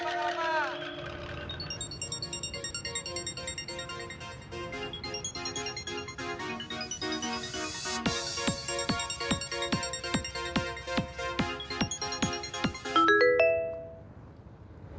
lepas itu kemudian